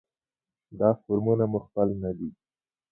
دا فورمونه مو خپل نه دي.